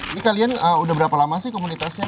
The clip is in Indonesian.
ini kalian udah berapa lama sih komunitasnya